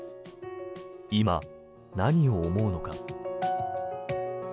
今、何を思うのか。